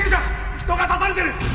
人が刺されてる！